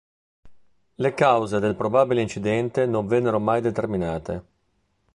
Le cause del probabile incidente non vennero mai determinate.